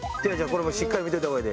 これもうしっかり見といた方がええで。